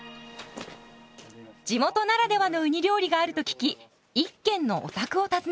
地元ならではのウニ料理があると聞き一軒のお宅を訪ねました。